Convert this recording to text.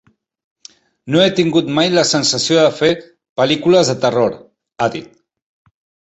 No he tingut mai la sensació de fer "pel·lícules de terror", ha dit.